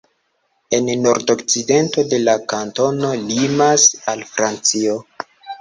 En nordokcidento la kantono limas al Francio.